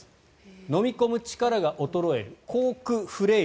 飲み込む力が衰える口腔フレイル